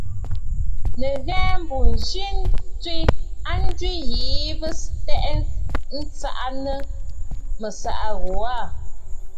Nɨ ghɛɛ, mbù ǹzi tsiʼǐ a njwi yìi bɨ tɛ'ɛ nsaʼa nɨ mɨ̀saʼa ghu aà.